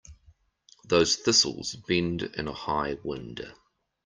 Those thistles bend in a high wind.